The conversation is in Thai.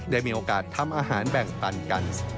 ได้มีโอกาสทำอาหารแบ่งปันกัน